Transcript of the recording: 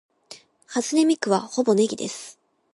初音ミクはほぼネギです